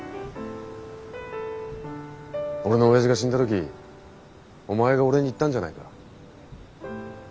俺の親父が死んだ時お前が俺に言ったんじゃないか。